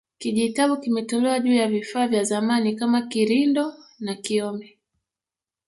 Kijitabu kimetolewa juu ya vifaa vya zamani kama kirindo na kyome